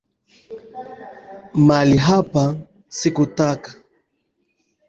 Mali hapa sikutaka.